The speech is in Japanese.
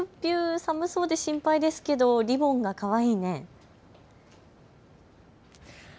寒そうで心配ですけどリボンがかわいい。